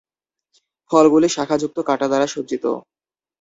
ফলগুলি শাখাযুক্ত কাঁটা দ্বারা সজ্জিত।